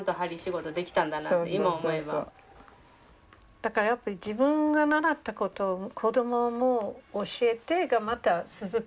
だからやっぱり自分が習ったことを子どもも教えてがまた続く。